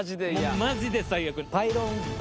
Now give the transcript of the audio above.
マジで最悪。